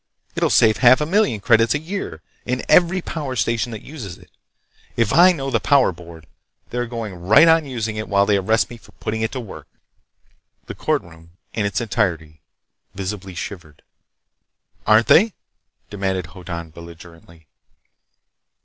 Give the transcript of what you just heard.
It'll save half a million credits a year in every power station that uses it! If I know the Power Board, they're going right on using it while they arrest me for putting it to work!" The courtroom, in its entirety, visibly shivered. "Aren't they?" demanded Hoddan belligerently.